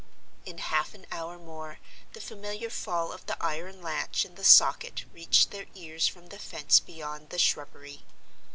In half an hour more the familiar fall of the iron latch in the socket reached their ears from the fence beyond the shrubbery.